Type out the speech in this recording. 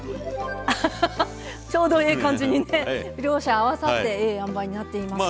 あはははちょうどええ感じにね両者合わさってええ塩梅になっています。